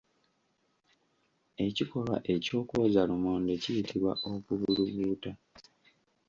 Ekikolwa eky'okwoza lumonde kiyitibwa okubulubuuta.